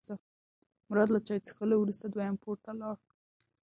مراد له چای څښلو وروسته دویم پوړ ته لاړ.